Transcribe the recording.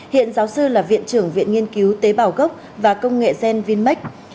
hiện giáo sư là viện trưởng viện nghiên cứu tế bào gốc và công nghệ gen vinmec